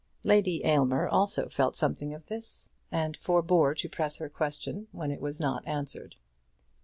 Lady Aylmer also felt something of this, and forbore to press her question when it was not answered.